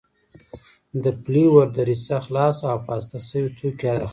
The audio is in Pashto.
د پلیور دریڅه خلاصه او پاسته شوي توکي داخلوي.